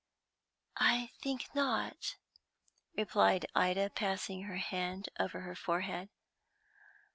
"I think not," replied Ida, passing her hand over her forehead.